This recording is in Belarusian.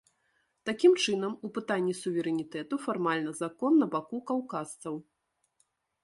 Такім чынам, у пытанні суверэнітэту фармальна закон на баку каўказцаў.